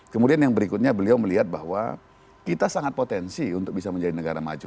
kemudian yang berikutnya beliau melihat bahwa kita sangat potensi untuk bisa menjadi negara maju